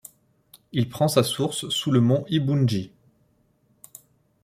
Il prend sa source sous le Mont Iboundji.